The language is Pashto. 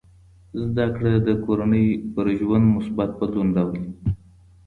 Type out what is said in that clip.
زده کړه د کورنۍ په ژوند مثبت بدلون راولي.